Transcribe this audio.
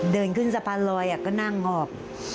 เดินขึ้นสะพานลอยก็นั่งออก